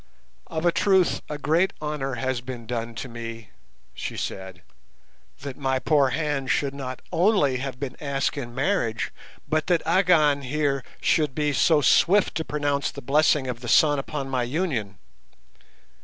"Of a truth a great honour has been done to me," she said, "that my poor hand should not only have been asked in marriage, but that Agon here should be so swift to pronounce the blessing of the Sun upon my union.